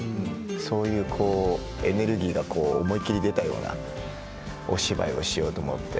そういうエネルギーが思い切り出たようなお芝居をしようと思って。